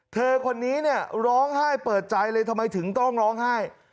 เธอคนนี้เนี่ยร้องไห้เปิดใจเลยทำไมถึงต้องร้องไห้